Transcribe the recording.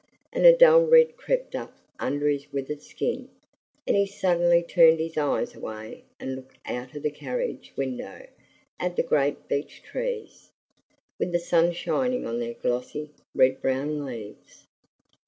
And a dull red crept up under his withered skin, and he suddenly turned his eyes away and looked out of the carriage window at the great beech trees, with the sun shining on their glossy, red brown leaves.